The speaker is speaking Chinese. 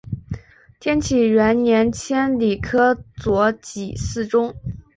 天启元年迁礼科左给事中。